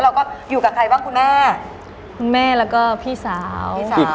คุณแม่แล้วก็พี่สาว